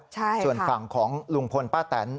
ใช่ค่ะส่วนฝั่งของลุงพลป้าแตน